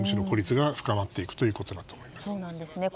孤立が深まっていくということだと思います。